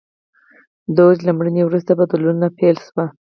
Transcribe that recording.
دوج له مړینې وروسته بدلونونه پیل شول.